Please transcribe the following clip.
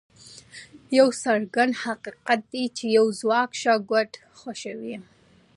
دا یو څرګند حقیقت دی چې ځواک ښه کوډ خوښوي